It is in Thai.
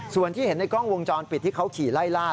ส่วนที่เห็นในกล้องวงจรปิดที่เขาขี่ไล่ล่า